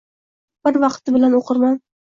Bir vaqti bilan oʻqirman.